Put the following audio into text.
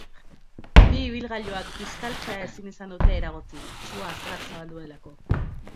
Bi ibilgailuak kiskaltzea ezin izan dute eragotzi, sua azkar zabaldu delako.